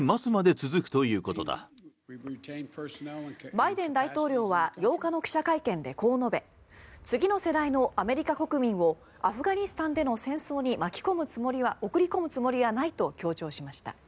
バイデン大統領は８日の記者会見でこう述べ次の世代のアメリカ国民をアフガニスタンでの戦争に送り込むつもりはないと強調しました。